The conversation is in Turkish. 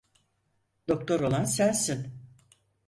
Doktor olan sensin.